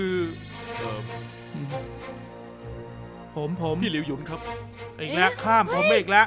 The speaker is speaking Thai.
อืมผมผมพี่ลิ้วยุนครับอีกแล้วก้้ามผมอีกแล้ว